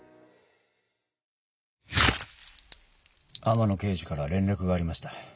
雨野刑事から連絡がありました。